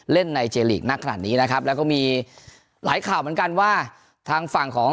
เล่นในเจลีกนักขนาดนี้นะครับแล้วก็มีหลายข่าวเหมือนกันว่าทางฝั่งของ